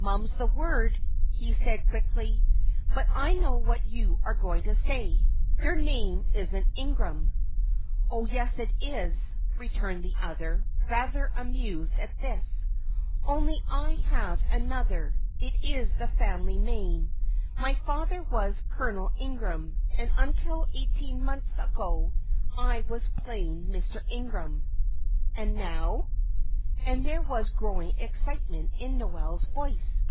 "Mum's the word," he said, quickly, "but I know what you are going to say. Your name isn't Ingram." "Oh, yes, it is," returned the other, rather amused at this, "only I have another. It is the family name. My father was Colonel Ingram, and until eighteen months ago I was plain Mr. Ingram." "And now?" and there was growing excitement in Noel's voice.